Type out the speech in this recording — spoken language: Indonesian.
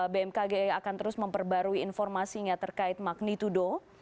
bmkg akan terus memperbarui informasinya terkait magnitudo